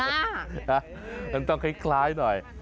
น่าจะต้องคล้ายหน่อย